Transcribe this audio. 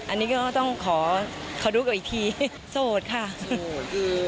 อันนี้ก็ต้องขอขอดูกับอีกทีสโหดค่ะสโหดคือ